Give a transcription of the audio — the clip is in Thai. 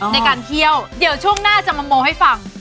ในการเคี่ยวเดี๋ยวช่วงหน้าจะมาโมให้ฟัง